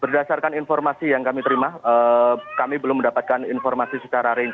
berdasarkan informasi yang kami terima kami belum mendapatkan informasi secara rinci